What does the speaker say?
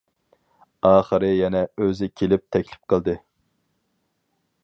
ئاخىرى يەنە ئۆزى كېلىپ تەكلىپ قىلدى.